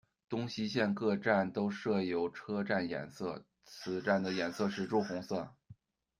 东西线各站都设有车站颜色，此站的颜色是朱红色。